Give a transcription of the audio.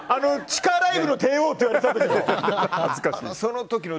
地下ライブの帝王って言われてた時の。